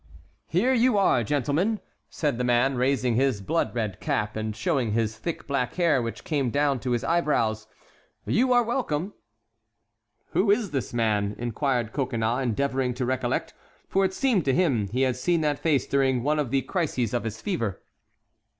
here you are, gentlemen," said the man, raising his blood red cap, and showing his thick black hair, which came down to his eyebrows. "You are welcome." "Who is this man?" inquired Coconnas, endeavoring to recollect, for it seemed to him he had seen that face during one of the crises of his fever.